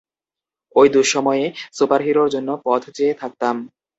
ঐ দুঃসময়ে সুপারহিরোর জন্য পথ চেয়ে থাকতাম।